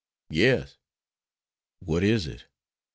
"Yes." "What is it?